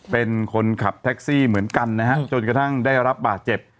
เป็นคนขับแท็กซี่เหมือนกันนะฮะจนกระทั่งได้รับบาดเจ็บ